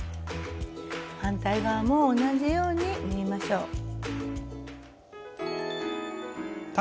反対側も同じように縫いましょう。